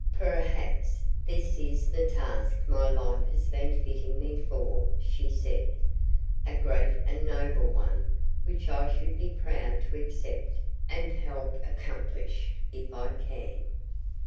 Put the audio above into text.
"Perhaps this is the task my life has been fitting me for," she said. "A great and noble one which I should be proud to accept and help accomplish if I can.